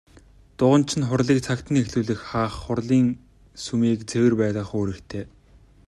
Дуганч нь хурлыг цагт нь эхлүүлэх, хаах, хурлын сүмийг цэвэр байлгах үүрэгтэй.